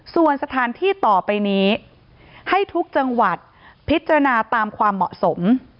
ส่วนสถานที่ต่อไปนี้ให้ทุกจังหวัดพิจารณาตามความเหมาะสม